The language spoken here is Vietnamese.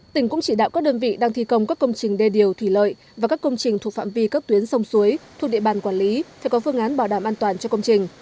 tỉnh cũng chỉ đạo các đơn vị đang thi công các công trình đê điều thủy lợi và các công trình thuộc phạm vi các tuyến sông suối thuộc địa bàn quản lý phải có phương án bảo đảm an toàn cho công trình